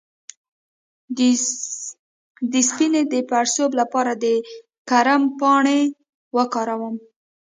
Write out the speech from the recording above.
د سینې د پړسوب لپاره د کرم پاڼې وکاروئ